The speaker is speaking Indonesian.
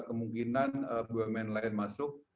kemungkinan bumn lain masuk